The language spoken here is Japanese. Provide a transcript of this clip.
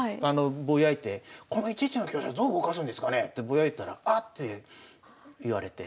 ぼやいてこの１一の香車どう動かすんですかねってぼやいたら「あっ」て言われて。